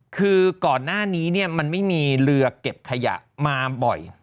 คือก่อนหน้านี้มันไม่มีเรือเก็บขยะมาบ่อย